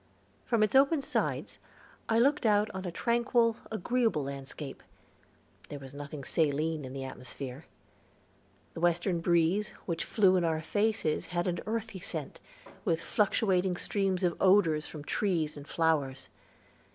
From its open sides I looked out on a tranquil, agreeable landscape; there was nothing saline in the atmosphere. The western breeze, which blew in our faces, had an earthy scent, with fluctuating streams of odors from trees and flowers.